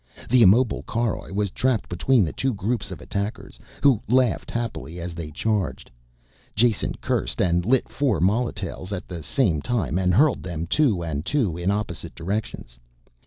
The immobile caroj was trapped between the two groups of attackers who laughed happily as they charged. Jason cursed and lit four molotails at the same time and hurled them two and two in opposite directions.